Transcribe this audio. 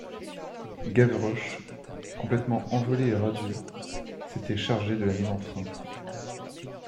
Gavroche, complètement envolé et radieux, s'était chargé de la mise en train.